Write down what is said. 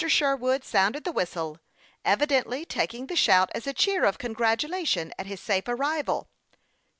Sherwood sounded the whistle, evidently tak ing the shout as a cheer of congratulation at his safe arrival.